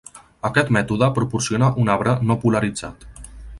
Aquest mètode proporciona un arbre no polaritzat.